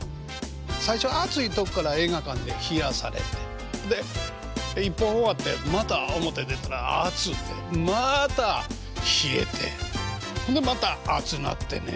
最初暑いとこから映画館で冷やされてで１本終わってまた表出たら暑うてまた冷えてでまた暑なってね